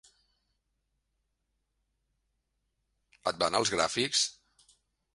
Et van els gràfics?